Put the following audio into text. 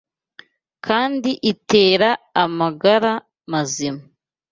kandi itera amagara mazima